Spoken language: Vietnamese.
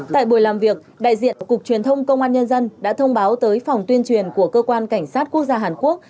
tại buổi làm việc đại diện cục truyền thông công an nhân dân đã thông báo tới phòng tuyên truyền của cơ quan cảnh sát quốc gia hàn quốc